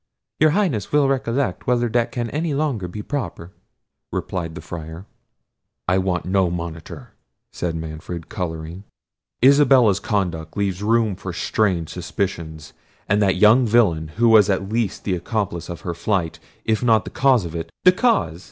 "Your Highness will recollect whether that can any longer be proper," replied the Friar. "I want no monitor," said Manfred, colouring; "Isabella's conduct leaves room for strange suspicions—and that young villain, who was at least the accomplice of her flight, if not the cause of it—" "The cause!"